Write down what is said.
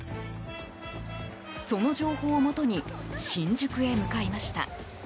その情報をもとに新宿へ向かいました。